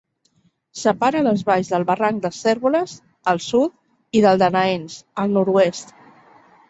Separa les valls del barranc de Cérvoles, al sud, i del de Naens, al nord-oest.